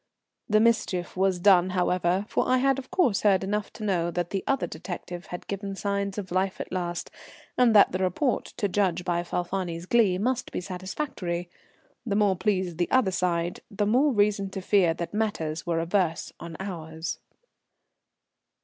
The mischief was done, however, for I had of course heard enough to know that the other detective had given signs of life at last, and that the report, to judge by Falfani's glee, must be satisfactory. The more pleased the other side, the more reason to fear that matters were adverse on ours.